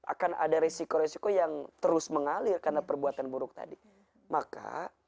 akan ada resiko resiko yang terus mengalir karena perbuatan buruk tadi maka